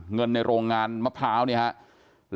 เงินในโรงงานมะพร้าวเนี่ยครับ